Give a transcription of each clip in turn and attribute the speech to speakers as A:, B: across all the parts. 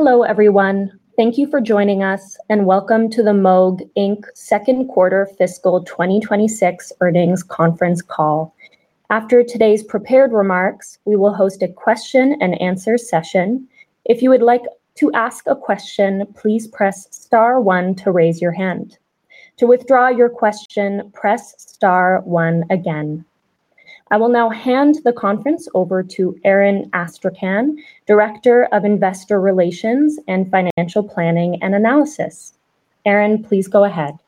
A: Hello, everyone. Thank you for joining us, and welcome to the Moog Inc. Second Quarter Fiscal 2026 Earnings Conference Call. After today's prepared remarks, we will host a question and answer session. If you would like to ask a question, please press star one to raise your hand. To withdraw your question, press star one again. I will now hand the conference over to Aaron Astrachan, Director of Investor Relations and Financial Planning & Analysis. Aaron, please go ahead.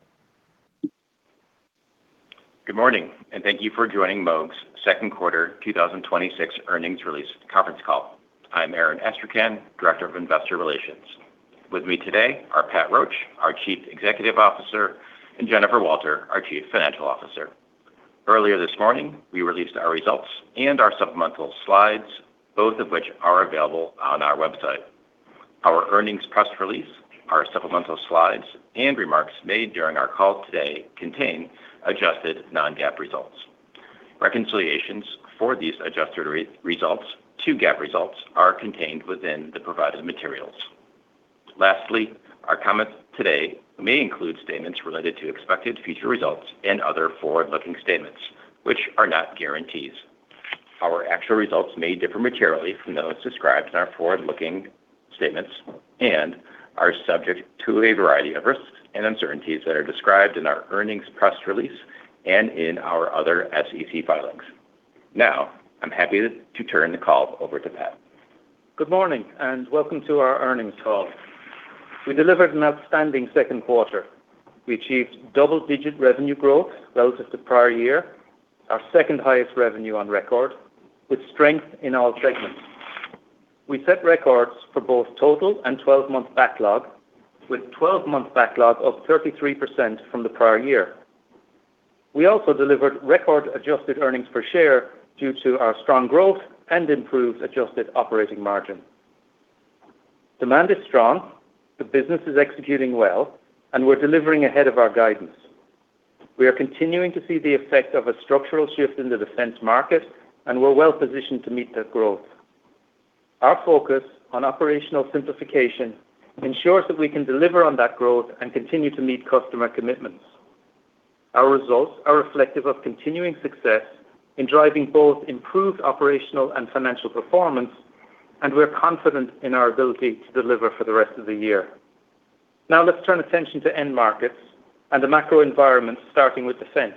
B: Good morning, and thank you for joining Moog's second quarter 2026 earnings release conference call. I'm Aaron Astrachan, Director of Investor Relations. With me today are Pat Roche, our Chief Executive Officer, and Jennifer Walter, our Chief Financial Officer. Earlier this morning, we released our results and our supplemental slides, both of which are available on our website. Our earnings press release, our supplemental slides, and remarks made during our call today contain adjusted non-GAAP results. Reconciliations for these adjusted results to GAAP results are contained within the provided materials. Lastly, our comments today may include statements related to expected future results and other forward-looking statements, which are not guarantees. Our actual results may differ materially from those described in our forward-looking statements and are subject to a variety of risks and uncertainties that are described in our earnings press release and in our other SEC filings. Now, I'm happy to turn the call over to Pat.
C: Good morning, and welcome to our earnings call. We delivered an outstanding second quarter. We achieved double-digit revenue growth relative to prior year, our second highest revenue on record with strength in all segments. We set records for both total and 12-month backlog, with 12-month backlog up 33% from the prior year. We also delivered record adjusted earnings per share due to our strong growth and improved adjusted operating margin. Demand is strong, the business is executing well, and we're delivering ahead of our guidance. We are continuing to see the effect of a structural shift in the defense market, and we're well positioned to meet that growth. Our focus on operational simplification ensures that we can deliver on that growth and continue to meet customer commitments. Our results are reflective of continuing success in driving both improved operational and financial performance, and we're confident in our ability to deliver for the rest of the year. Now let's turn attention to end markets and the macro environment, starting with defense.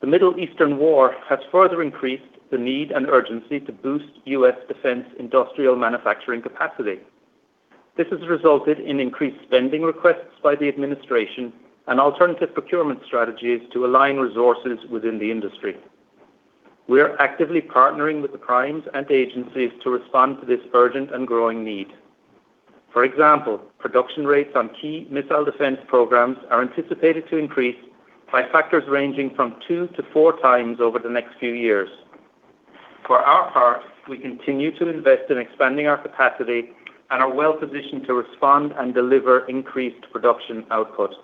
C: The Middle Eastern war has further increased the need and urgency to boost U.S. defense industrial manufacturing capacity. This has resulted in increased spending requests by the administration and alternative procurement strategies to align resources within the industry. We are actively partnering with the primes and agencies to respond to this urgent and growing need. For example, production rates on key missile defense programs are anticipated to increase by factors ranging from two to four times over the next few years. For our part, we continue to invest in expanding our capacity and are well positioned to respond and deliver increased production output.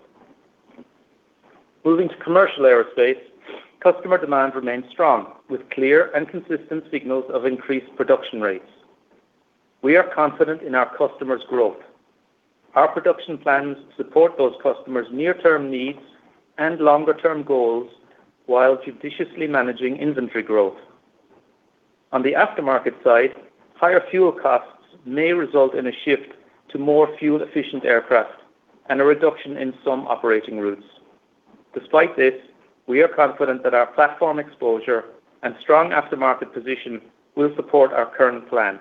C: Moving to commercial aerospace, customer demand remains strong with clear and consistent signals of increased production rates. We are confident in our customers' growth. Our production plans support those customers' near-term needs and longer-term goals while judiciously managing inventory growth. On the aftermarket side, higher fuel costs may result in a shift to more fuel-efficient aircraft and a reduction in some operating routes. Despite this, we are confident that our platform exposure and strong aftermarket position will support our current plan.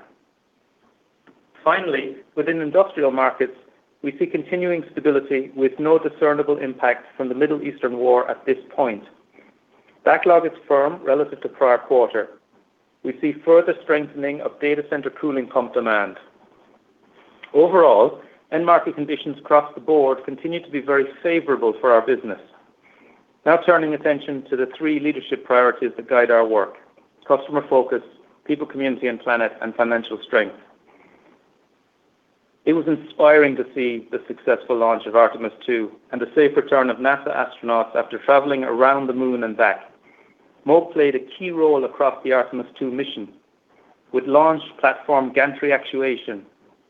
C: Finally, within industrial markets, we see continuing stability with no discernible impact from the Middle Eastern war at this point. Backlog is firm relative to prior quarter. We see further strengthening of data center cooling pump demand. Overall, end market conditions across the board continue to be very favorable for our business. Now turning attention to the three leadership priorities that guide our work, customer focus, people, community, and planet, and financial strength. It was inspiring to see the successful launch of Artemis II and the safe return of NASA astronauts after traveling around the Moon and back. Moog played a key role across the Artemis II mission with launch platform gantry actuation,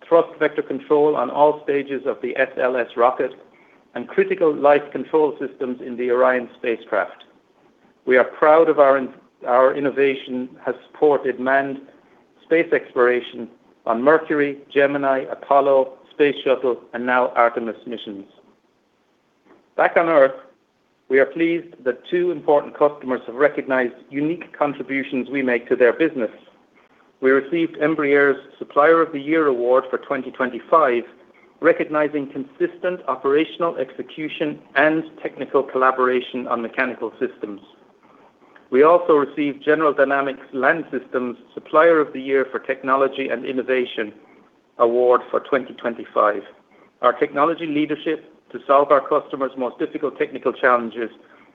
C: thrust vector control on all stages of the SLS rocket, and critical life control systems in the Orion spacecraft. We are proud of our innovation has supported manned space exploration on Mercury, Gemini, Apollo, Space Shuttle, and now Artemis missions. Back on Earth, we are pleased that two important customers have recognized unique contributions we make to their business. We received Embraer's Supplier of the Year award for 2025, recognizing consistent operational execution and technical collaboration on mechanical systems. We also received General Dynamics Land Systems Supplier of the Year for Technology and Innovation award for 2025. Our technology leadership to solve our customers' most difficult technical challenges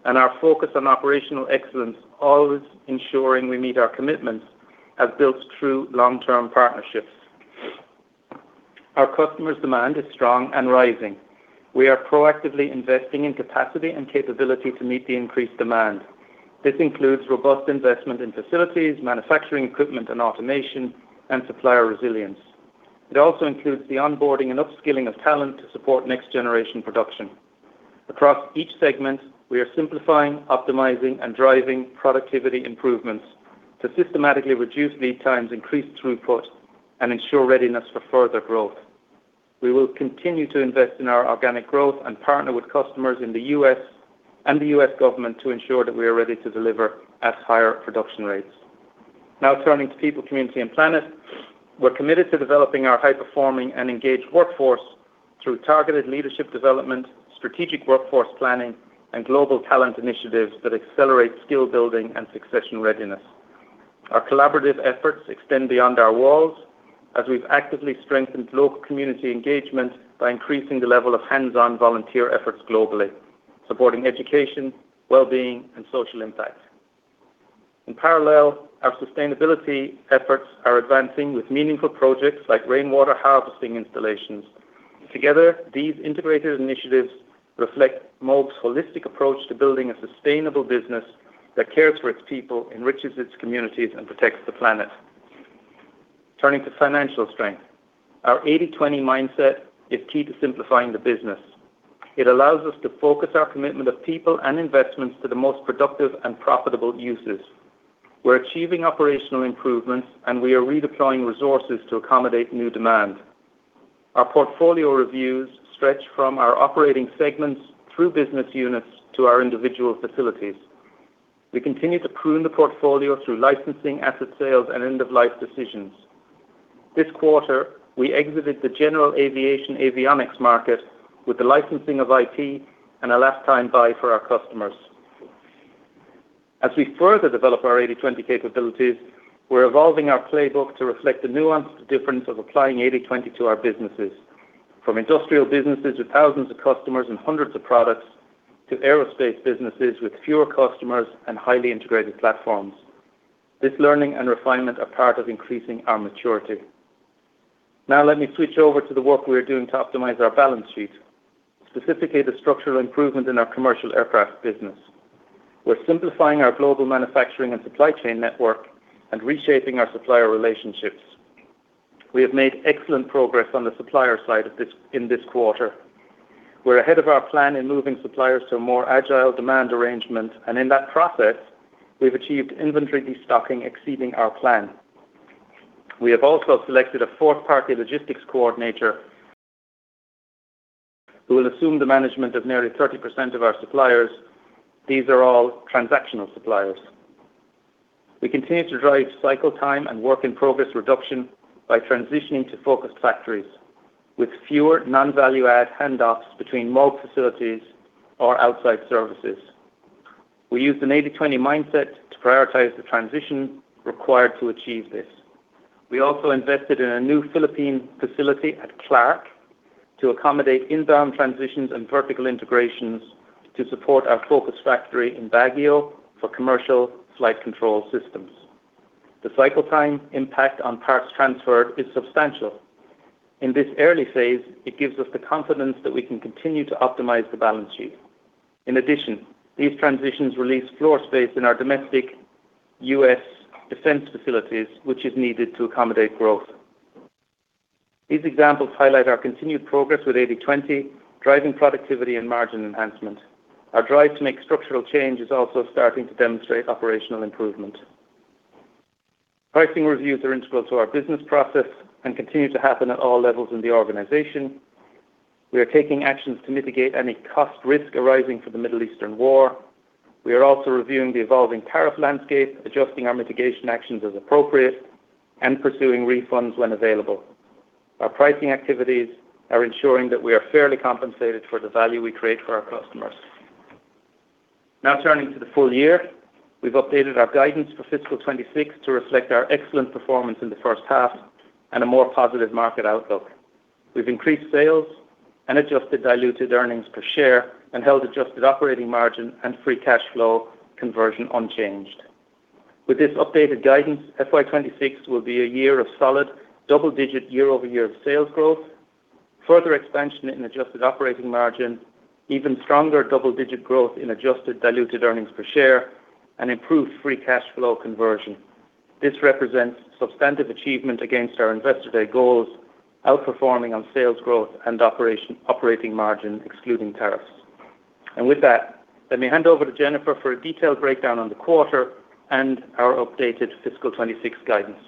C: and our focus on operational excellence, always ensuring we meet our commitments, have built true long-term partnerships. Our customers' demand is strong and rising. We are proactively investing in capacity and capability to meet the increased demand. This includes robust investment in facilities, manufacturing equipment and automation, and supplier resilience. It also includes the onboarding and upskilling of talent to support next-generation production. Across each segment, we are simplifying, optimizing, and driving productivity improvements to systematically reduce lead times, increase throughput, and ensure readiness for further growth. We will continue to invest in our organic growth and partner with customers in the U.S. and the U.S. government to ensure that we are ready to deliver at higher production rates. Now turning to people, community, and planet. We're committed to developing our high-performing and engaged workforce through targeted leadership development, strategic workforce planning, and global talent initiatives that accelerate skill building and succession readiness. Our collaborative efforts extend beyond our walls as we've actively strengthened local community engagement by increasing the level of hands-on volunteer efforts globally, supporting education, wellbeing, and social impact. In parallel, our sustainability efforts are advancing with meaningful projects like rainwater harvesting installations. Together, these integrated initiatives reflect Moog's holistic approach to building a sustainable business that cares for its people, enriches its communities, and protects the planet. Turning to financial strength. Our 80/20 mindset is key to simplifying the business. It allows us to focus our commitment of people and investments to the most productive and profitable uses. We're achieving operational improvements, and we are redeploying resources to accommodate new demand. Our portfolio reviews stretch from our operating segments through business units to our individual facilities. We continue to prune the portfolio through licensing, asset sales, and end-of-life decisions. This quarter, we exited the general aviation avionics market with the licensing of IP and a last-time buy for our customers. As we further develop our 80/20 capabilities, we're evolving our playbook to reflect the nuanced difference of applying 80/20 to our businesses, from industrial businesses with thousands of customers and hundreds of products, to aerospace businesses with fewer customers and highly integrated platforms. This learning and refinement are part of increasing our maturity. Now let me switch over to the work we are doing to optimize our balance sheet, specifically the structural improvement in our commercial aircraft business. We're simplifying our global manufacturing and supply chain network and reshaping our supplier relationships. We have made excellent progress on the supplier side in this quarter. We're ahead of our plan in moving suppliers to a more agile demand arrangement, and in that process, we've achieved inventory destocking exceeding our plan. We have also selected a fourth-party logistics coordinator who will assume the management of nearly 30% of our suppliers. These are all transactional suppliers. We continue to drive cycle time and work-in-progress reduction by transitioning to focused factories with fewer non-value-add handoffs between Moog facilities or outside services. We used an 80/20 mindset to prioritize the transition required to achieve this. We also invested in a new Philippine facility at Clark to accommodate inbound transitions and vertical integrations to support our focus factory in Baguio for commercial flight control systems. The cycle time impact on parts transfer is substantial. In this early phase, it gives us the confidence that we can continue to optimize the balance sheet. In addition, these transitions release floor space in our domestic U.S. defense facilities, which is needed to accommodate growth. These examples highlight our continued progress with 80/20, driving productivity and margin enhancement. Our drive to make structural change is also starting to demonstrate operational improvement. Pricing reviews are integral to our business process and continue to happen at all levels in the organization. We are taking actions to mitigate any cost risk arising from the Middle Eastern war. We are also reviewing the evolving tariff landscape, adjusting our mitigation actions as appropriate, and pursuing refunds when available. Our pricing activities are ensuring that we are fairly compensated for the value we create for our customers. Now turning to the full year. We've updated our guidance for fiscal 2026 to reflect our excellent performance in the first half and a more positive market outlook. We've increased sales and adjusted diluted earnings per share and held adjusted operating margin and free cash flow conversion unchanged. With this updated guidance, FY 2026 will be a year of solid double-digit year-over-year sales growth, further expansion in adjusted operating margin, even stronger double-digit growth in adjusted diluted earnings per share, and improved free cash flow conversion. This represents substantive achievement against our Investor Day goals, outperforming on sales growth and operating margin, excluding tariffs. With that, let me hand over to Jennifer for a detailed breakdown on the quarter and our updated fiscal 2026 guidance.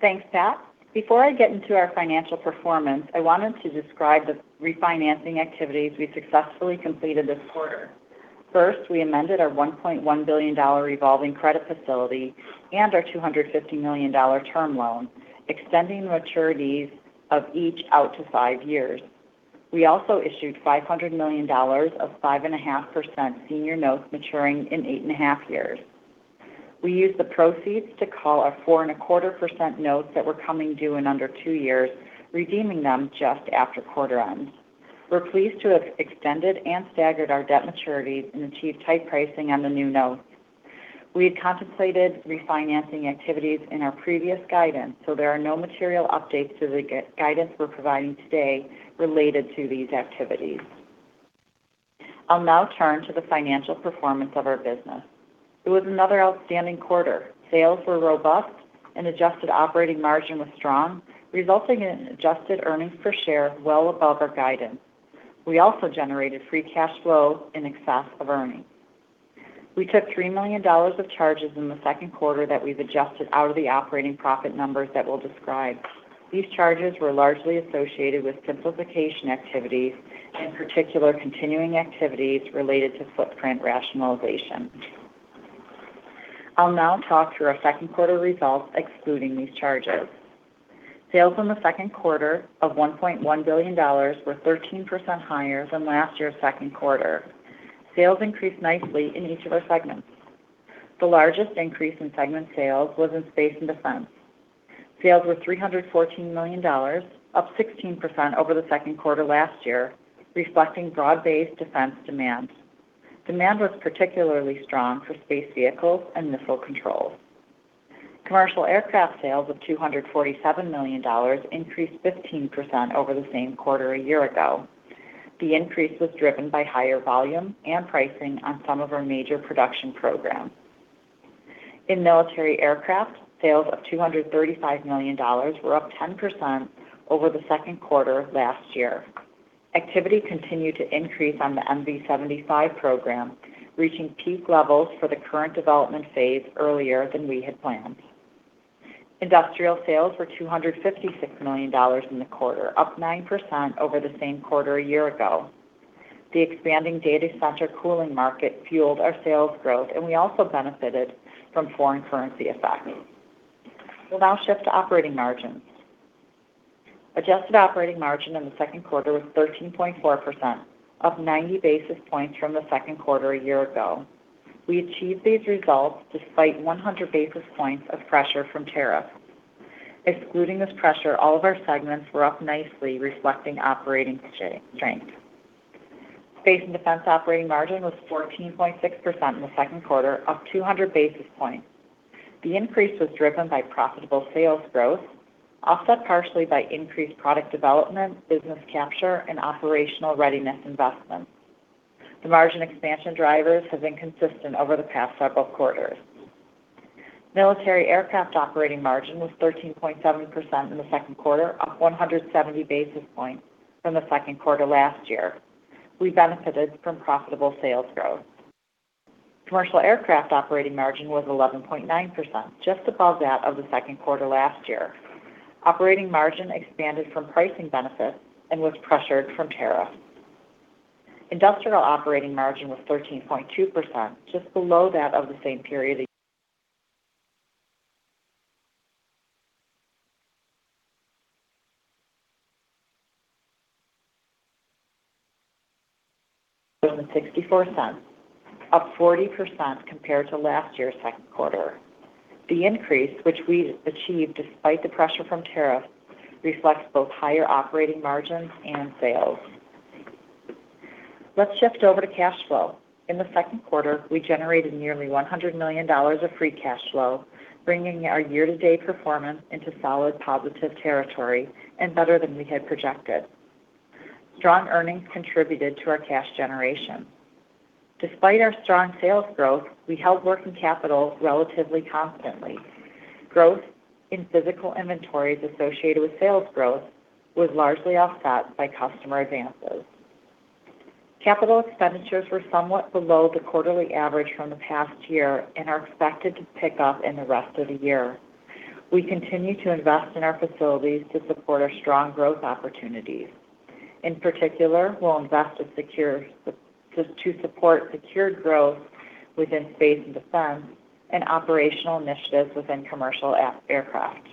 D: Thanks, Pat. Before I get into our financial performance, I wanted to describe the refinancing activities we successfully completed this quarter. First, we amended our $1.1 billion revolving credit facility and our $250 million term loan, extending maturities of each out to five years. We also issued $500 million of 5.5% senior notes maturing in 8.5 years. We used the proceeds to call our 4.25% notes that were coming due in under two years, redeeming them just after quarter end. We're pleased to have extended and staggered our debt maturities and achieved tight pricing on the new notes. We had contemplated refinancing activities in our previous guidance, so there are no material updates to the guidance we're providing today related to these activities. I'll now turn to the financial performance of our business. It was another outstanding quarter. Sales were robust and adjusted operating margin was strong, resulting in adjusted earnings per share well above our guidance. We also generated free cash flow in excess of earnings. We took $3 million of charges in the second quarter that we've adjusted out of the operating profit numbers that we'll describe. These charges were largely associated with simplification activities, in particular, continuing activities related to footprint rationalization. I'll now talk through our second quarter results excluding these charges. Sales in the second quarter of $1.1 billion were 13% higher than last year's second quarter. Sales increased nicely in each of our segments. The largest increase in segment sales was in space and defense. Sales were $314 million, up 16% over the second quarter last year, reflecting broad-based defense demands. Demand was particularly strong for space vehicles and missile controls. Commercial aircraft sales of $247 million increased 15% over the same quarter a year ago. The increase was driven by higher volume and pricing on some of our major production programs. In military aircraft, sales of $235 million were up 10% over the second quarter last year. Activity continued to increase on the MV-75 program, reaching peak levels for the current development phase earlier than we had planned. Industrial sales were $256 million in the quarter, up 9% over the same quarter a year ago. The expanding data center cooling market fueled our sales growth, and we also benefited from foreign currency effects. We'll now shift to operating margins. Adjusted operating margin in the second quarter was 13.4%, up 90 basis points from the second quarter a year ago. We achieved these results despite 100 basis points of pressure from tariffs. Excluding this pressure, all of our segments were up nicely, reflecting operating strength. Space and Defense operating margin was 14.6% in the second quarter, up 200 basis points. The increase was driven by profitable sales growth, offset partially by increased product development, business capture, and operational readiness investments. The margin expansion drivers have been consistent over the past several quarters. Military Aircraft operating margin was 13.7% in the second quarter, up 170 basis points from the second quarter last year. We benefited from profitable sales growth. Commercial Aircraft operating margin was 11.9%, just above that of the second quarter last year. Operating margin expanded from pricing benefits and was pressured from tariffs. Industrial operating margin was 13.2%, just below that of the same period. $0.64, up 40% compared to last year's second quarter. The increase, which we achieved despite the pressure from tariffs, reflects both higher operating margins and sales. Let's shift over to cash flow. In the second quarter, we generated nearly $100 million of free cash flow, bringing our year-to-date performance into solid positive territory and better than we had projected. Strong earnings contributed to our cash generation. Despite our strong sales growth, we held working capital relatively constantly. Growth in physical inventories associated with sales growth was largely offset by customer advances. Capital expenditures were somewhat below the quarterly average from the past year and are expected to pick up in the rest of the year. We continue to invest in our facilities to support our strong growth opportunities. In particular, we'll invest to support secured growth within space and defense and operational initiatives within commercial aircraft.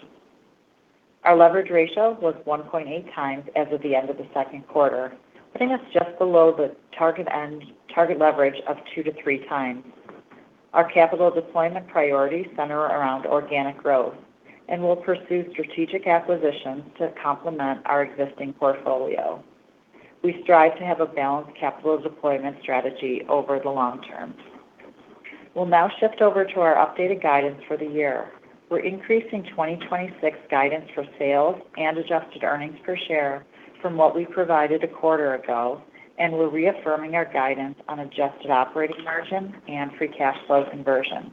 D: Our leverage ratio was 1.8x as of the end of the second quarter, putting us just below the target leverage of 2-3x. Our capital deployment priorities center around organic growth, and we'll pursue strategic acquisitions to complement our existing portfolio. We strive to have a balanced capital deployment strategy over the long term. We'll now shift over to our updated guidance for the year. We're increasing 2026 guidance for sales and adjusted earnings per share from what we provided a quarter ago, and we're reaffirming our guidance on adjusted operating margin and free cash flow conversion.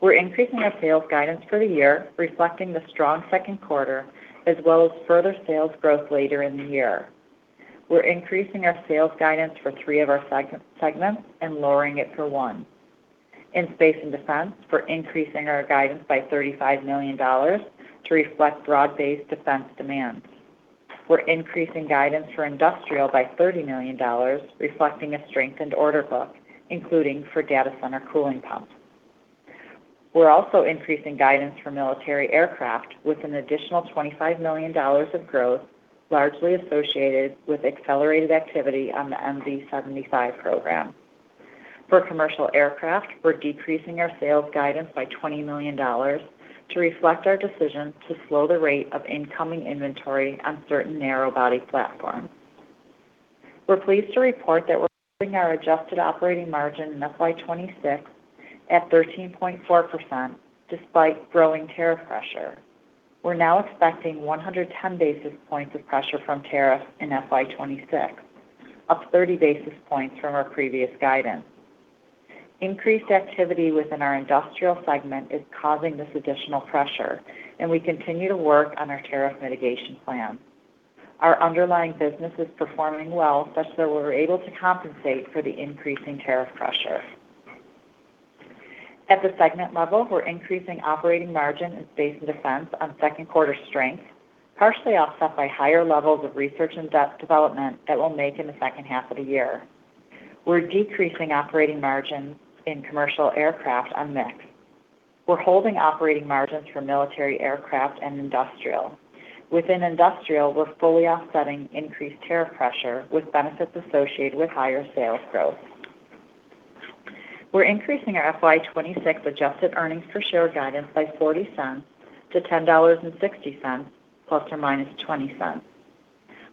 D: We're increasing our sales guidance for the year, reflecting the strong second quarter, as well as further sales growth later in the year. We're increasing our sales guidance for three of our segments and lowering it for one. In Space and Defense, we're increasing our guidance by $35 million to reflect broad-based defense demands. We're increasing guidance for Industrial by $30 million, reflecting a strengthened order book, including for data center cooling pumps. We're also increasing guidance for Military Aircraft with an additional $25 million of growth, largely associated with accelerated activity on the MV-75 program. For Commercial Aircraft, we're decreasing our sales guidance by $20 million to reflect our decision to slow the rate of incoming inventory on certain narrow-body platforms. We're pleased to report that we're raising our adjusted operating margin in FY 2026 at 13.4%, despite growing tariff pressure. We're now expecting 110 basis points of pressure from tariff in FY 2026, up 30 basis points from our previous guidance. Increased activity within our Industrial segment is causing this additional pressure, and we continue to work on our tariff mitigation plan. Our underlying business is performing well such that we're able to compensate for the increasing tariff pressure. At the segment level, we're increasing operating margin and space and defense on second quarter strength, partially offset by higher levels of research and development that we'll make in the second half of the year. We're decreasing operating margins in commercial aircraft on mix. We're holding operating margins for military aircraft and industrial. Within industrial, we're fully offsetting increased tariff pressure with benefits associated with higher sales growth. We're increasing our FY 2026 adjusted earnings per share guidance by $0.40 to $10.60 ± $0.20.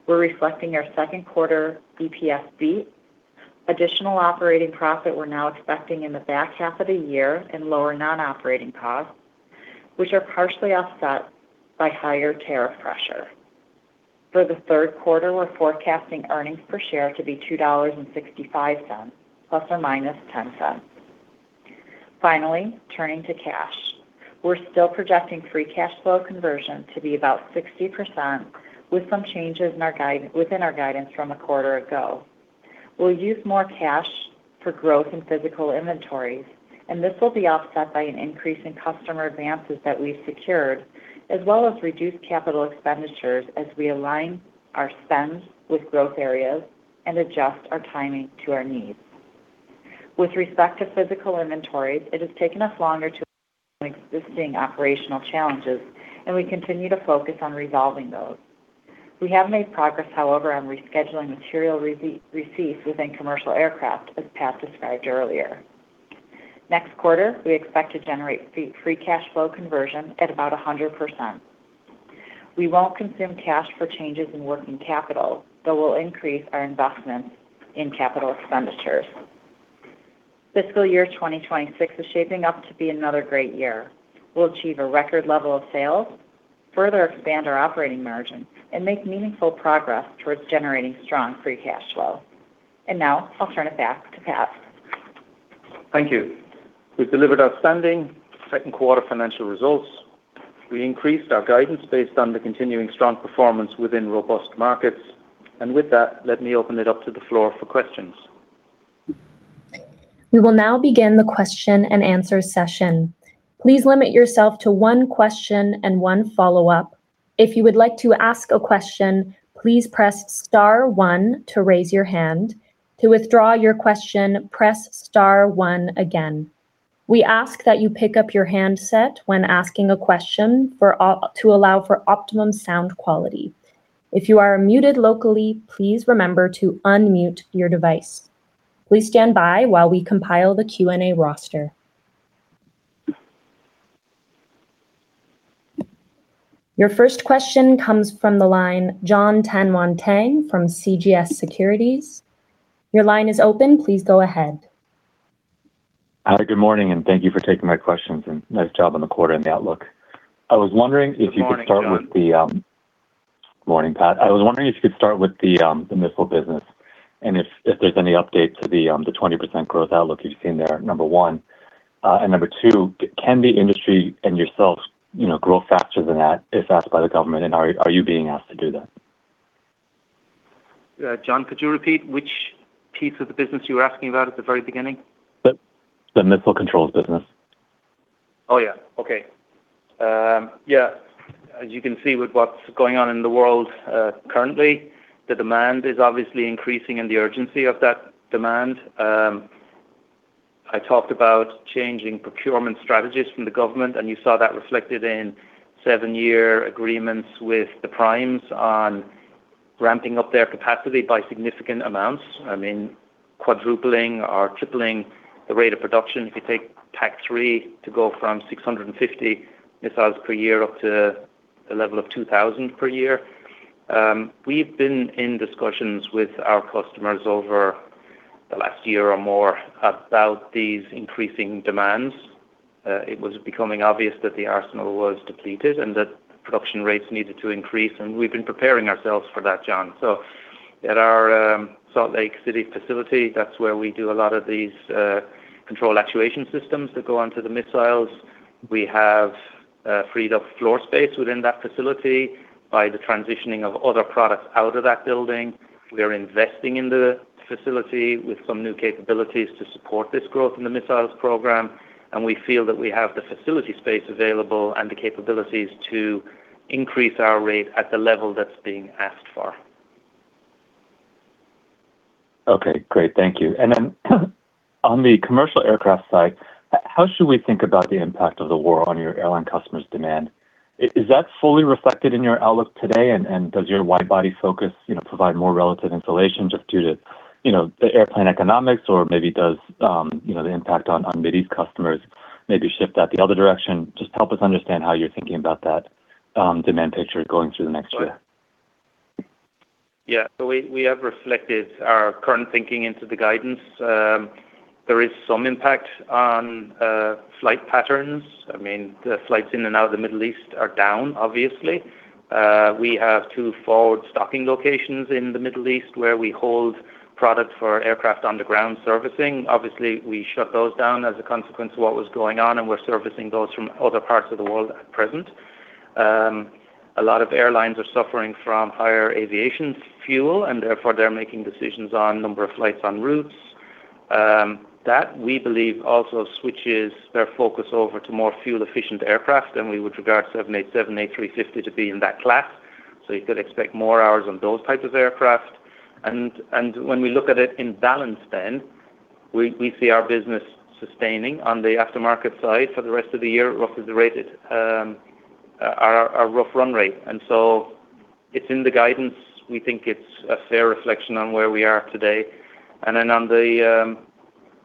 D: We're reflecting our second quarter EPS, additional operating profit we're now expecting in the back half of the year in lower non-operating costs, which are partially offset by higher tariff pressure. For the third quarter, we're forecasting earnings per share to be $2.65 ± 0.10. Finally, turning to cash. We're still projecting free cash flow conversion to be about 60% with some changes within our guidance from a quarter ago. We'll use more cash for growth in physical inventories, and this will be offset by an increase in customer advances that we've secured, as well as reduced capital expenditures as we align our spend with growth areas and adjust our timing to our needs. With respect to physical inventories, it has taken us longer to address existing operational challenges, and we continue to focus on resolving those. We have made progress, however, on rescheduling material receipts within commercial aircraft, as Pat described earlier. Next quarter, we expect to generate free cash flow conversion at about 100%. We won't consume cash for changes in working capital, though we'll increase our investments in capital expenditures. Fiscal year 2026 is shaping up to be another great year. We'll achieve a record level of sales, further expand our operating margin, and make meaningful progress towards generating strong free cash flow. Now I'll turn it back to Pat.
C: Thank you. We've delivered outstanding second quarter financial results. We increased our guidance based on the continuing strong performance within robust markets. With that, let me open it up to the floor for questions.
A: We will now begin the question and answer session. Please limit yourself to one question and one follow-up. If you would like to ask a question, please press star one to raise your hand. To withdraw your question, press star one again. We ask that you pick up your handset when asking a question to allow for optimum sound quality. If you are muted locally, please remember to unmute your device. Please stand by while we compile the Q&A roster. Your first question comes from the line, Jon Tanwanteng from CJS Securities. Your line is open. Please go ahead.
E: Hi, good morning, and thank you for taking my questions, and nice job on the quarter and the outlook. I was wondering if you could start with the
C: Good morning, Jon.
E: Morning, Pat. I was wondering if you could start with the missile business and if there's any update to the 20% growth outlook we've seen there, number one. Number two, can the industry and yourself grow faster than that if asked by the government, and are you being asked to do that?
C: Jon, could you repeat which piece of the business you were asking about at the very beginning?
E: The missile controls business.
C: Oh, yeah. Okay. Yeah. As you can see with what's going on in the world currently, the demand is obviously increasing and the urgency of that demand. I talked about changing procurement strategies from the government, and you saw that reflected in seven-year agreements with the primes on ramping up their capacity by significant amounts, I mean, quadrupling or tripling the rate of production. If you take PAC-3 to go from 650 missiles per year up to a level of 2,000 per year. We've been in discussions with our customers over the last year or more about these increasing demands. It was becoming obvious that the arsenal was depleted and that production rates needed to increase, and we've been preparing ourselves for that, Jon. At our Salt Lake City facility, that's where we do a lot of these control actuation systems that go onto the missiles. We have freed up floor space within that facility by the transitioning of other products out of that building. We are investing in the facility with some new capabilities to support this growth in the missiles program, and we feel that we have the facility space available and the capabilities to increase our rate at the level that's being asked for.
E: Okay, great. Thank you. Then on the commercial aircraft side, how should we think about the impact of the war on your airline customers' demand? Is that fully reflected in your outlook today? Does your wide-body focus provide more relative insulation just due to, you know, the airplane economics, or maybe does the impact on Mideast customers maybe shift that the other direction? Just help us understand how you're thinking about that demand picture going through the next year.
C: Yeah. We have reflected our current thinking into the guidance. There is some impact on flight patterns. I mean, the flights in and out of the Middle East are down, obviously. We have two forward stocking locations in the Middle East where we hold product for aircraft on the ground servicing. Obviously, we shut those down as a consequence of what was going on, and we're servicing those from other parts of the world at present. A lot of airlines are suffering from higher aviation fuel, and therefore, they're making decisions on number of flights on routes. That, we believe, also switches their focus over to more fuel-efficient aircraft, and we would regard 787, A350 to be in that class. You could expect more hours on those types of aircraft. When we look at it in balance then, we see our business sustaining on the aftermarket side for the rest of the year, roughly the rate, our rough run rate. It's in the guidance. We think it's a fair reflection on where we are today. On the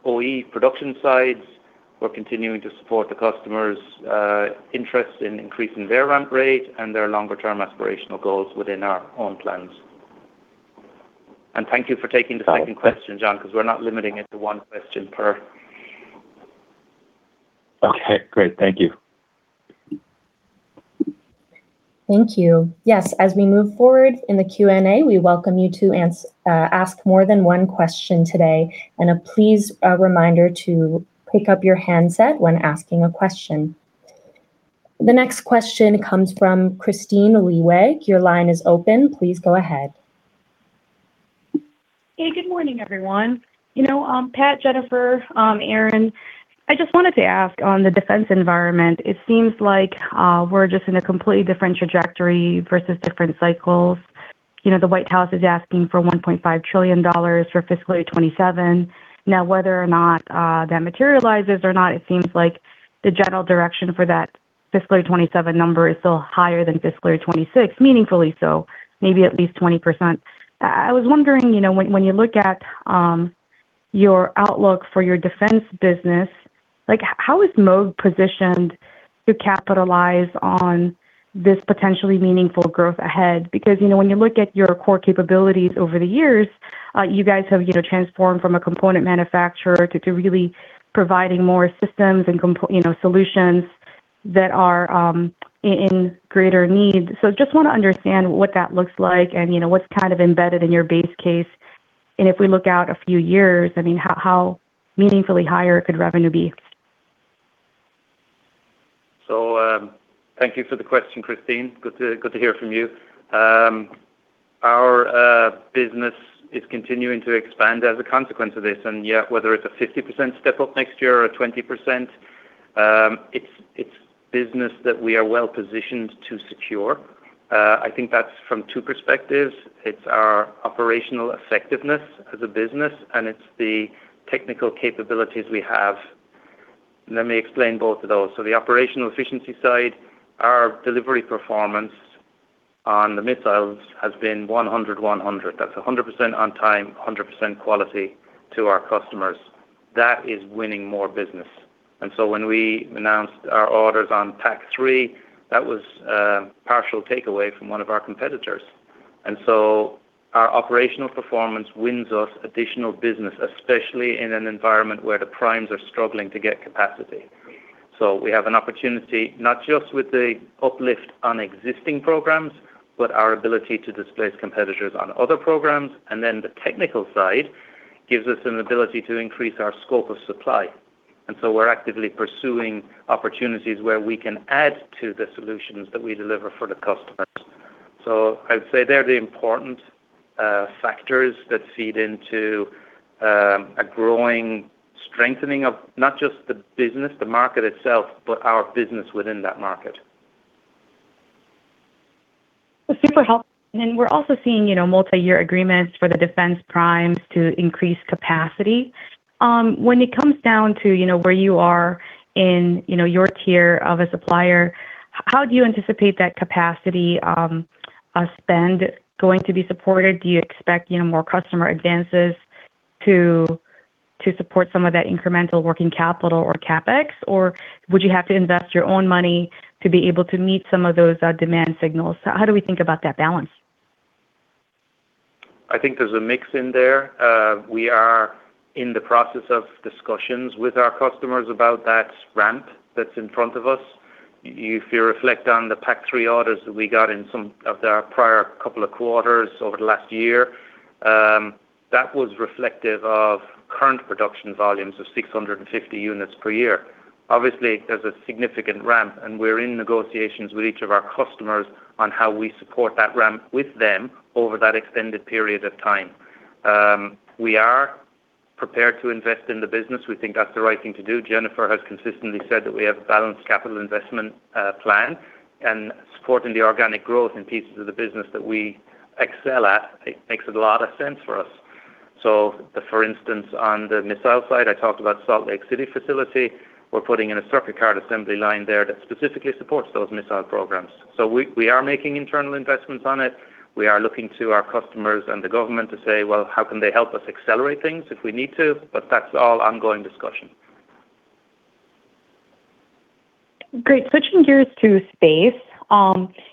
C: OE production side, we're continuing to support the customers' interest in increasing their run rate and their longer-term aspirational goals within our own plans. Thank you for taking the second question, Jon, because we're not limiting it to one question per.
E: Okay, great. Thank you.
A: Thank you. Yes, as we move forward in the Q&A, we welcome you to ask more than one question today, and please, a reminder to pick up your handset when asking a question. The next question comes from Kristine Liwag. Your line is open. Please go ahead.
F: Hey, good morning, everyone. Pat, Jennifer, Aaron, I just wanted to ask on the defense environment. It seems like we're just in a completely different trajectory versus different cycles. The White House is asking for $1.5 trillion for fiscal year 2027. Now, whether or not that materializes or not, it seems like the general direction for that fiscal 2027 number is still higher than fiscal 2026, meaningfully so, maybe at least 20%. I was wondering, when you look at your outlook for your defense business, how is Moog positioned to capitalize on this potentially meaningful growth ahead? Because, when you look at your core capabilities over the years, you guys have transformed from a component manufacturer to really providing more systems and solutions that are in greater need. Just want to understand what that looks like, and what's kind of embedded in your base case. If we look out a few years, I mean, how meaningfully higher could revenue be?
C: Thank you for the question, Kristine. Good to hear from you. Our business is continuing to expand as a consequence of this, and yet, whether it's a 50% step-up next year or a 20%, it's business that we are well-positioned to secure. I think that's from two perspectives. It's our operational effectiveness as a business, and it's the technical capabilities we have. Let me explain both of those. The operational efficiency side, our delivery performance on the missiles has been 100/100. That's 100% on time, 100% quality to our customers. That is winning more business. When we announced our orders on PAC-3, that was a partial takeaway from one of our competitors. Our operational performance wins us additional business, especially in an environment where the primes are struggling to get capacity. We have an opportunity, not just with the uplift on existing programs, but our ability to displace competitors on other programs. The technical side gives us an ability to increase our scope of supply. We're actively pursuing opportunities where we can add to the solutions that we deliver for the customers. I'd say they're the important factors that feed into a growing strengthening of not just the business, the market itself, but our business within that market.
F: Super helpful. We're also seeing multi-year agreements for the defense primes to increase capacity. When it comes down to where you are in your tier of a supplier, how do you anticipate that capacity spend going to be supported? Do you expect more customer advances to support some of that incremental working capital or CapEx? Or would you have to invest your own money to be able to meet some of those demand signals? How do we think about that balance?
C: I think there's a mix in there. We are in the process of discussions with our customers about that ramp that's in front of us. If you reflect on the PAC-3 orders that we got in some of our prior couple of quarters over the last year, that was reflective of current production volumes of 650 units per year. Obviously, there's a significant ramp, and we're in negotiations with each of our customers on how we support that ramp with them over that extended period of time. We are prepared to invest in the business. We think that's the right thing to do. Jennifer has consistently said that we have a balanced capital investment plan, and supporting the organic growth in pieces of the business that we excel at, it makes a lot of sense for us. For instance, on the missile side, I talked about Salt Lake City facility. We're putting in a circuit card assembly line there that specifically supports those missile programs. We are making internal investments on it. We are looking to our customers and the government to say, well, how can they help us accelerate things if we need to, but that's all ongoing discussion.
F: Great. Switching gears to space.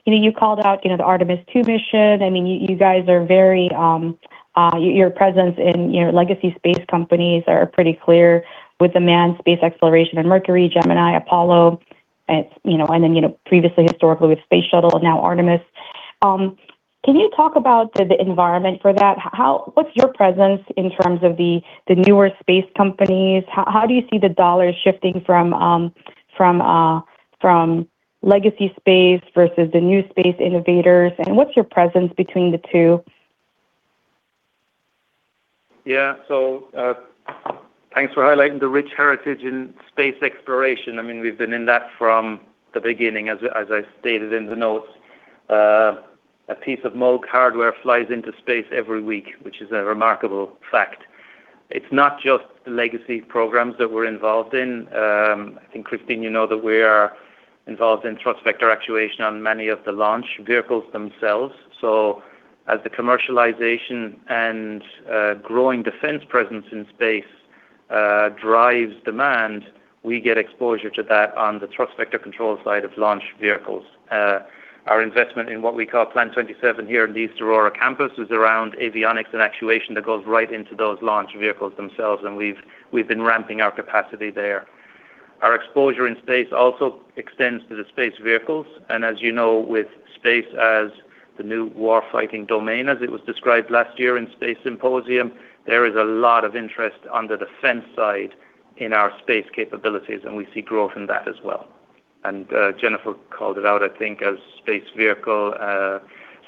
F: You called out the Artemis II mission. Your presence in legacy space companies are pretty clear with the manned space exploration in Mercury, Gemini, Apollo, and then previously historically with Space Shuttle, now Artemis. Can you talk about the environment for that? What's your presence in terms of the newer space companies? How do you see the dollars shifting from legacy space versus the new space innovators, and what's your presence between the two?
C: Yeah. Thanks for highlighting the rich heritage in space exploration. We've been in that from the beginning, as I stated in the notes. A piece of Moog hardware flies into space every week, which is a remarkable fact. It's not just the legacy programs that we're involved in. I think, Kristine, you know that we are involved in thrust vector actuation on many of the launch vehicles themselves. As the commercialization and growing defense presence in space drives demand, we get exposure to that on the thrust vector control side of launch vehicles. Our investment in what we call Plant 27 here in the East Aurora campus is around avionics and actuation that goes right into those launch vehicles themselves, and we've been ramping our capacity there. Our exposure in space also extends to the space vehicles, and as you know, with space as the new war-fighting domain, as it was described last year in Space Symposium, there is a lot of interest on the defense side in our space capabilities, and we see growth in that as well. Jennifer called it out, I think, as space vehicle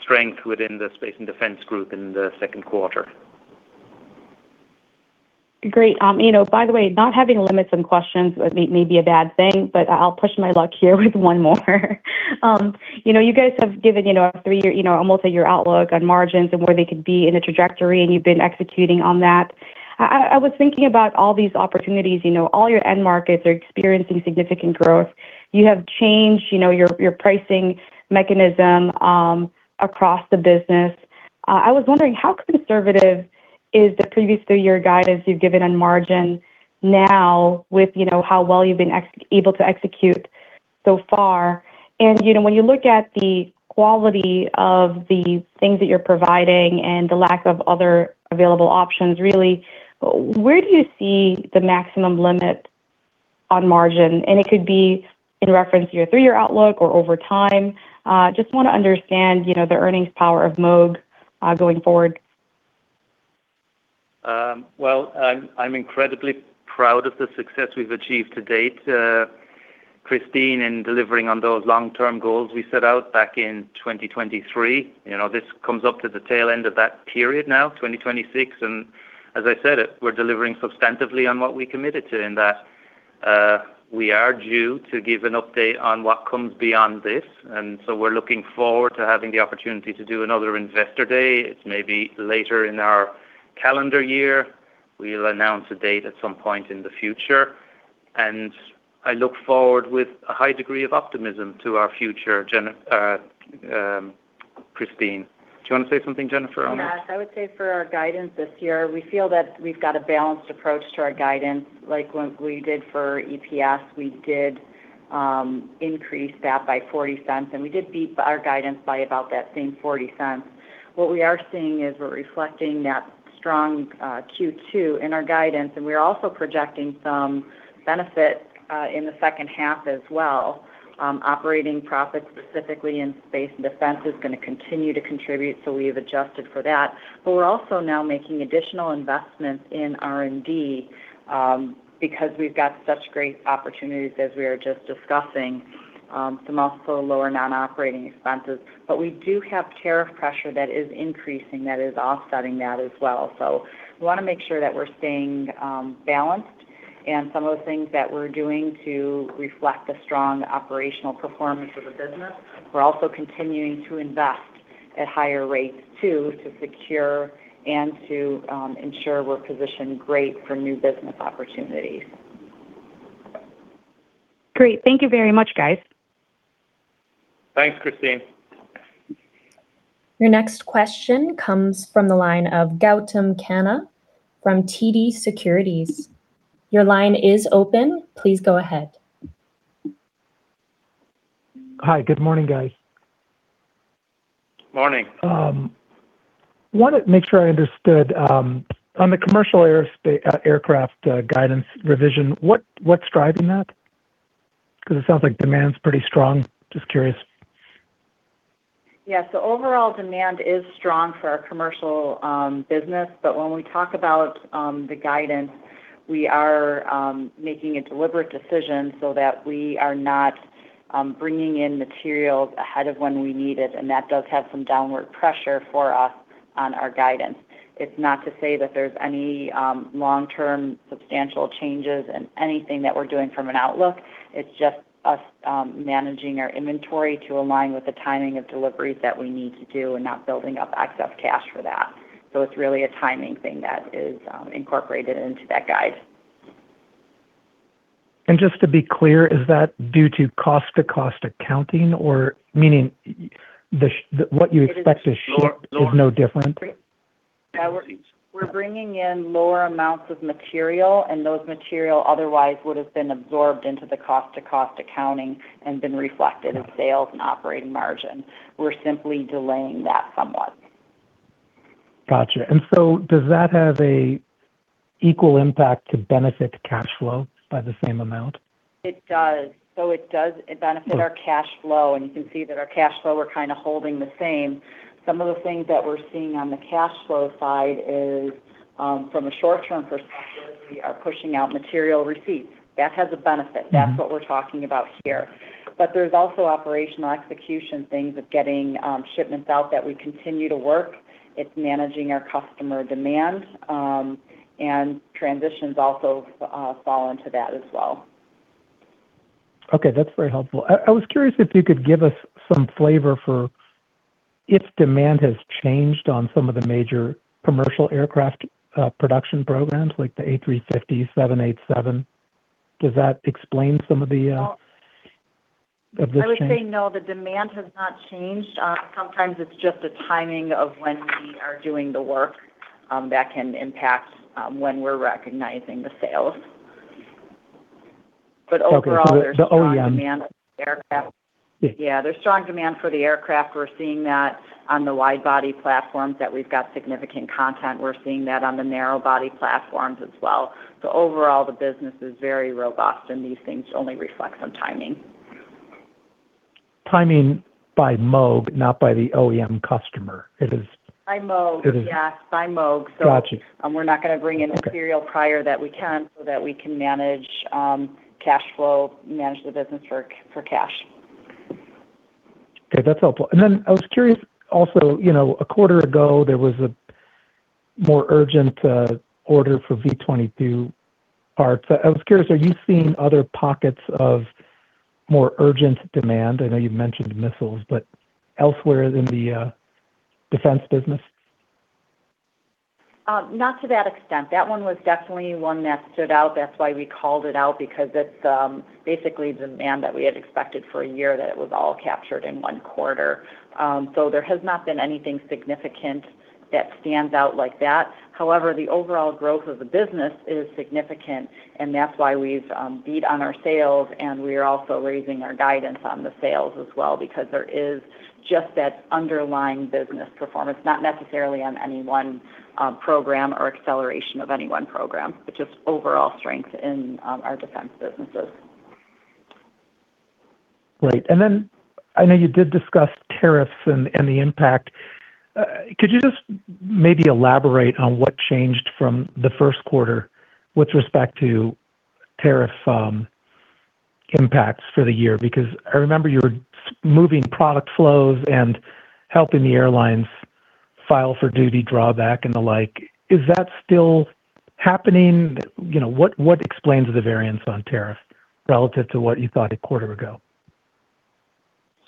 C: strength within the space and defense group in the second quarter.
F: Great. By the way, not having limits on questions may be a bad thing, but I'll push my luck here with one more. You guys have given a multi-year outlook on margins and where they could be in a trajectory, and you've been executing on that. I was thinking about all these opportunities. All your end markets are experiencing significant growth. You have changed your pricing mechanism across the business. I was wondering how conservative is the previous three-year guidance you've given on margin now with how well you've been able to execute so far, and when you look at the quality of the things that you're providing and the lack of other available options, really, where do you see the maximum limit on margin? It could be in reference to your three-year outlook or over time. Just want to understand the earnings power of Moog going forward.
C: Well, I'm incredibly proud of the success we've achieved to date, Kristine, in delivering on those long-term goals we set out back in 2023. This comes up to the tail end of that period now, 2026, and as I said, we're delivering substantively on what we committed to in that we are due to give an update on what comes beyond this. We're looking forward to having the opportunity to do another investor day. It's maybe later in our calendar year. We'll announce a date at some point in the future. I look forward with a high degree of optimism to our future, Kristine. Do you want to say something, Jennifer, on that?
D: Yes. I would say for our guidance this year, we feel that we've got a balanced approach to our guidance. Like what we did for EPS, we did increase that by $0.40, and we did beat our guidance by about that same $0.40. What we are seeing is we're reflecting that strong Q2 in our guidance, and we are also projecting some benefit in the second half as well. Operating profits specifically in space and defense is going to continue to contribute, so we have adjusted for that. We're also now making additional investments in R&D because we've got such great opportunities as we are just discussing, some also lower non-operating expenses. We do have tariff pressure that is increasing that is offsetting that as well. We want to make sure that we're staying balanced in some of the things that we're doing to reflect the strong operational performance of the business. We're also continuing to invest at higher rates, too, to secure and to ensure we're positioned great for new business opportunities.
F: Great. Thank you very much, guys.
C: Thanks, Kristine.
A: Your next question comes from the line of Gautam Khanna from TD Securities. Your line is open. Please go ahead.
G: Hi. Good morning, guys.
C: Morning.
G: wanted to make sure I understood. On the commercial aircraft guidance revision, what's driving that? Because it sounds like demand's pretty strong. Just curious.
D: Yeah. Overall demand is strong for our commercial business. When we talk about the guidance, we are making a deliberate decision so that we are not bringing in materials ahead of when we need it, and that does have some downward pressure for us on our guidance. It's not to say that there's any long-term substantial changes in anything that we're doing from an outlook. It's just us managing our inventory to align with the timing of deliveries that we need to do and not building up excess cash for that. It's really a timing thing that is incorporated into that guide.
G: Just to be clear, is that due to cost accounting or meaning what you expect to ship is no different?
D: Yeah, we're bringing in lower amounts of material, and those material otherwise would have been absorbed into the cost-to-cost accounting and been reflected in sales and operating margin. We're simply delaying that somewhat.
G: Got you. Does that have a equal impact to benefit cash flow by the same amount?
D: It does. It does, it benefits our cash flow, and you can see that our cash flow, we're kind of holding the same. Some of the things that we're seeing on the cash flow side is, from a short-term perspective, we are pushing out material receipts. That has a benefit.
G: Mm-hmm.
D: That's what we're talking about here. There's also operational execution, things like getting shipments out that we continue to work. It's managing our customer demand, and transitions also fall into that as well.
G: Okay. That's very helpful. I was curious if you could give us some flavor for if demand has changed on some of the major commercial aircraft production programs like the A350, 787. Does that explain some of the.
D: No.
G: Of the change?
D: I would say no, the demand has not changed. Sometimes it's just a timing of when we are doing the work that can impact when we're recognizing the sales.
G: Okay. The OEM.
D: There's strong demand for the aircraft.
G: Yeah.
D: Yeah. There's strong demand for the aircraft. We're seeing that on the wide body platforms that we've got significant content. We're seeing that on the narrow body platforms as well. Overall, the business is very robust, and these things only reflect on timing.
G: Timing by Moog, not by the OEM customer.
D: By Moog.
G: It is.
D: Yeah. By Moog.
G: Got you.
D: We're not gonna bring in- material prior to that so that we can manage cash flow, manage the business for cash.
G: Okay. That's helpful. I was curious also, a quarter ago, there was a more urgent order for V-22 parts. I was curious, are you seeing other pockets of more urgent demand? I know you've mentioned missiles, but elsewhere in the defense business?
D: Not to that extent. That one was definitely one that stood out. That's why we called it out because it's basically demand that we had expected for a year that it was all captured in one quarter. There has not been anything significant that stands out like that. However, the overall growth of the business is significant, and that's why we've beat on our sales, and we are also raising our guidance on the sales as well because there is just that underlying business performance, not necessarily on any one program or acceleration of any one program, but just overall strength in our defense businesses.
G: Great. I know you did discuss tariffs and the impact. Could you just maybe elaborate on what changed from the first quarter with respect to tariff impacts for the year? Because I remember you were moving product flows and helping the airlines file for duty drawback and the like. Is that still happening? What explains the variance on tariff relative to what you thought a quarter ago?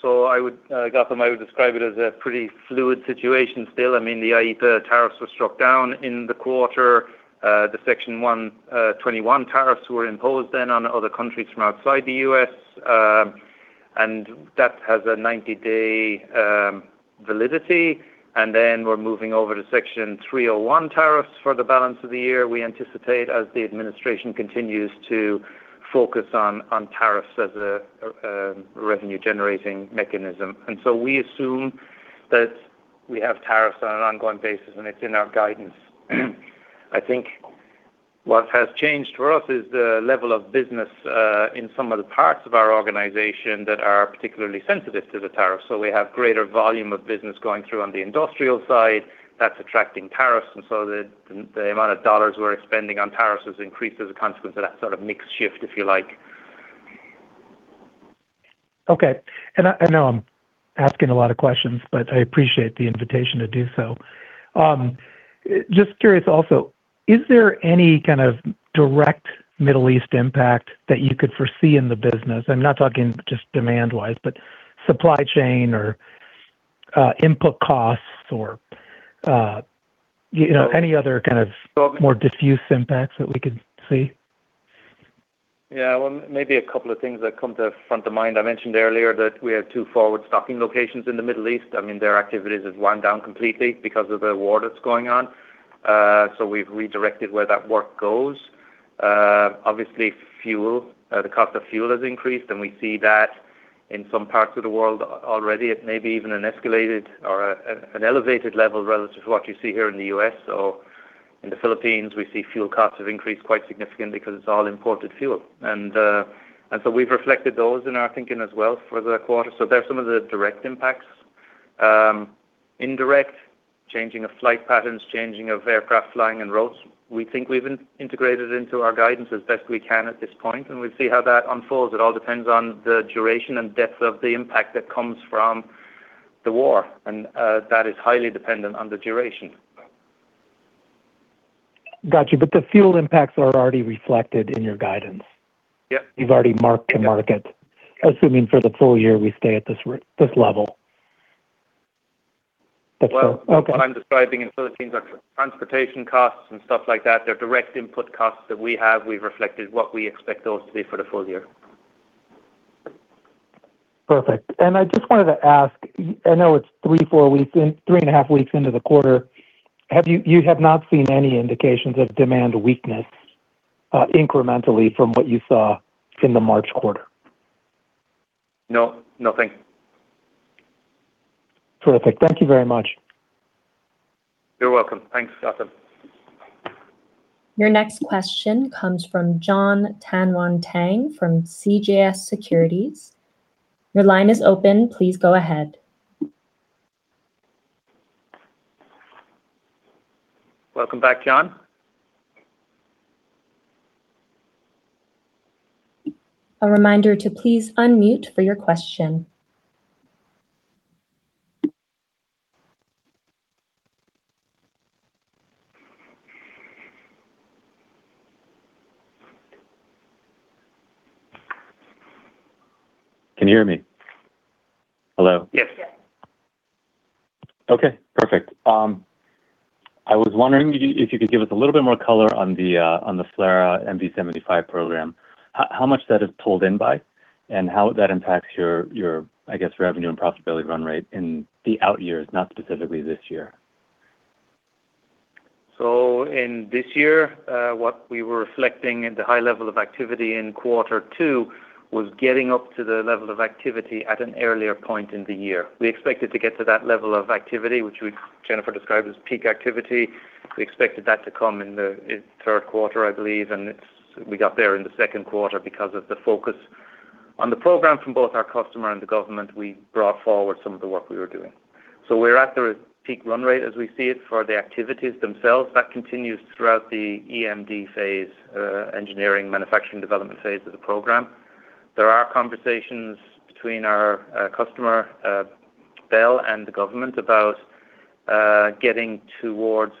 C: I would, Gautam, I would describe it as a pretty fluid situation still. The IEEPA tariffs were struck down in the quarter. The Section 121 tariffs were imposed then on other countries from outside the U.S., and that has a 90-day validity, and then we're moving over to Section 301 tariffs for the balance of the year. We anticipate as the administration continues to focus on tariffs as a revenue-generating mechanism. We assume that we have tariffs on an ongoing basis, and it's in our guidance. I think what has changed for us is the level of business, in some of the parts of our organization that are particularly sensitive to the tariffs. We have greater volume of business going through on the industrial side that's attracting tariffs, and so the amount of dollars we're expending on tariffs has increased as a consequence of that sort of mix shift, if you like.
G: Okay. I know I'm asking a lot of questions, but I appreciate the invitation to do so. Just curious also, is there any kind of direct Middle East impact that you could foresee in the business? I'm not talking just demand-wise, but supply chain or input costs or any other kind of more diffuse impacts that we could see?
C: Yeah. Well, maybe a couple of things that come to front of mind. I mentioned earlier that we had 2 forward stocking locations in the Middle East. Their activities have wound down completely because of the war that's going on. We've redirected where that work goes. Obviously, fuel, the cost of fuel has increased, and we see that in some parts of the world already at maybe even an escalated or an elevated level relative to what you see here in the U.S. In the Philippines, we see fuel costs have increased quite significantly because it's all imported fuel. We've reflected those in our thinking as well for the quarter. They're some of the direct impacts. Indirect, changing of flight patterns, changing of aircraft flying and routes. We think we've integrated into our guidance as best we can at this point, and we'll see how that unfolds. It all depends on the duration and depth of the impact that comes from the war, and that is highly dependent on the duration.
G: Got you. The fuel impacts are already reflected in your guidance?
C: Yep.
G: You've already marked to market?
C: Yep.
G: Assuming for the full year, we stay at this level. Okay.
C: Well, what I'm describing in Philippines are transportation costs and stuff like that. They're direct input costs that we have. We've reflected what we expect those to be for the full year.
G: Perfect. I just wanted to ask, I know it's three and a half weeks into the quarter, you have not seen any indications of demand weakness incrementally from what you saw in the March quarter?
C: No, nothing.
G: Terrific. Thank you very much.
C: You're welcome. Thanks, Gautam.
A: Your next question comes from Jon Tanwanteng from CJS Securities. Your line is open. Please go ahead.
C: Welcome back, Jon.
A: A reminder to please unmute for your question.
E: Can you hear me? Hello?
C: Yes.
A: Yes.
E: Okay, perfect. I was wondering if you could give us a little bit more color on the FLRAA V-280 program, how much that is pulled in by, and how that impacts your, I guess, revenue and profitability run rate in the out years, not specifically this year?
C: In this year, what we were reflecting in the high level of activity in quarter two was getting up to the level of activity at an earlier point in the year. We expected to get to that level of activity, which Jennifer described as peak activity. We expected that to come in the third quarter, I believe, and we got there in the second quarter. Because of the focus on the program from both our customer and the government, we brought forward some of the work we were doing. We're at the peak run rate as we see it for the activities themselves. That continues throughout the EMD phase, engineering manufacturing development phase of the program. There are conversations between our customer, Bell, and the government about getting towards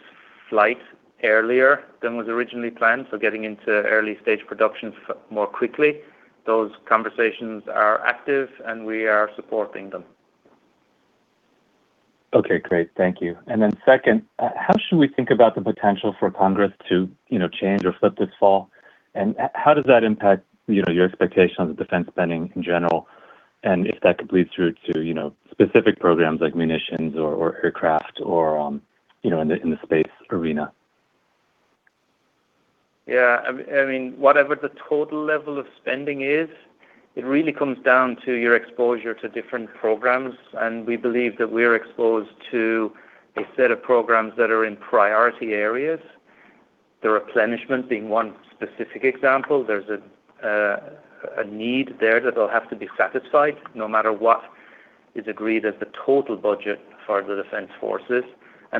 C: flight earlier than was originally planned, so getting into early-stage production more quickly. Those conversations are active, and we are supporting them.
E: Okay, great. Thank you. Second, how should we think about the potential for Congress to change or flip this fall? How does that impact your expectation on the defense spending in general, and if that could bleed through to specific programs like munitions or aircraft or in the space arena?
C: Yeah. Whatever the total level of spending is, it really comes down to your exposure to different programs, and we believe that we're exposed to a set of programs that are in priority areas, the replenishment being one specific example. There's a need there that'll have to be satisfied no matter what is agreed as the total budget for the defense forces.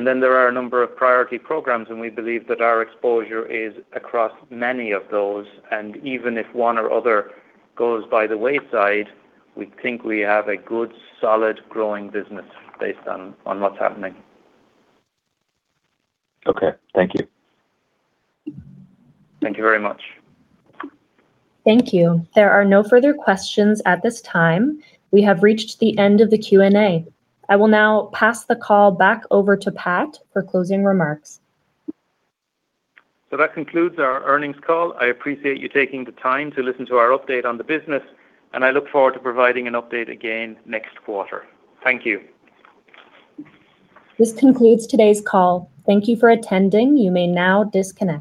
C: Then there are a number of priority programs, and we believe that our exposure is across many of those, and even if one or other goes by the wayside, we think we have a good, solid, growing business based on what's happening.
E: Okay. Thank you.
C: Thank you very much.
A: Thank you. There are no further questions at this time. We have reached the end of the Q&A. I will now pass the call back over to Pat for closing remarks.
C: That concludes our earnings call. I appreciate you taking the time to listen to our update on the business, and I look forward to providing an update again next quarter. Thank you.
A: This concludes today's call. Thank you for attending. You may now disconnect.